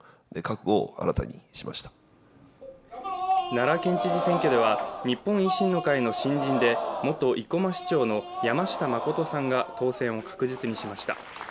奈良県知事選挙では、日本維新の会の新人で元生駒市長の山下真さんが当選を確実にしました。